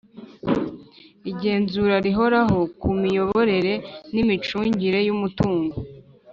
igenzura rihoraho ku miyoborere n imicungire y umutungo